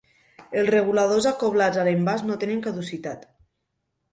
Els reguladors acoblats a l'envàs no tenen caducitat.